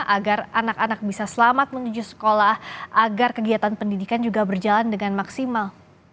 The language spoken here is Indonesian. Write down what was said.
agar anak anak bisa selamat menuju sekolah agar kegiatan pendidikan juga berjalan dengan maksimal